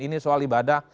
ini soal ibadah